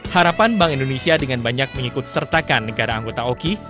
harapan bank indonesia dengan banyak mengikut sertakan negara anggota oki